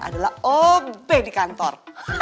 adalah ob di kantor